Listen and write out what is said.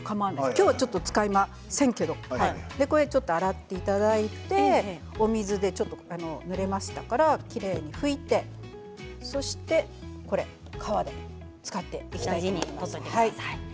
今日はちょっと使いませんけどこれを洗っていただいてお水でちょっとぬれましたからきれいに拭いてそして皮を使っていきたいと思います。